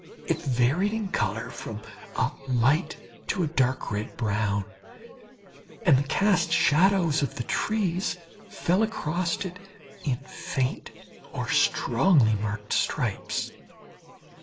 It varied in colour from a light to a dark red brown, and the cast shadows of the trees fell across it in faint or strongly marked stripes.